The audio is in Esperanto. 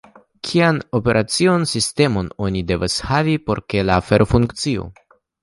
Kian operacian sistemon oni devas havi por ke la afero funkciu?